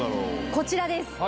こちらです